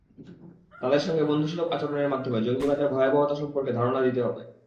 তাঁদের সঙ্গে বন্ধুসুলভ আচরণের মাধ্যমে জঙ্গিবাদের ভয়াবহতা সম্পর্কে ধারণা দিতে হবে।